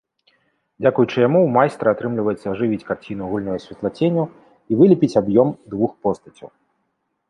Дзякуючы яму ў майстра атрымліваецца ажывіць карціну гульнёй святлаценю і вылепіць аб'ём двух постацяў.